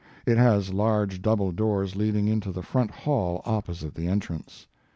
It has large double doors leading into the front hall opposite the entrance.